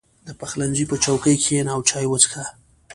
• د پخلنځي په چوکۍ کښېنه او چای وڅښه.